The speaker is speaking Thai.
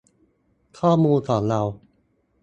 ข้อมูลของเรา